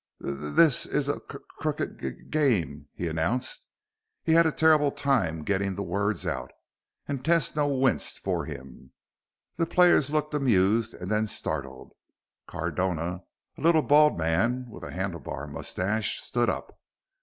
"Th th this is a c crooked g g gug game," he announced. He had a terrible time getting the words out, and Tesno winced for him. The players looked amused and then startled. Cardona, a little bald man with a handlebar mustache, stood up.